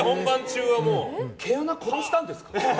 毛穴殺したんですか？